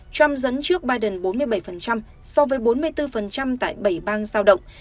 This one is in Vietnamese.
trump dấn trước biden bốn mươi bảy so với bốn mươi bốn tại bảy bang